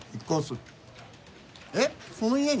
えっその家に！？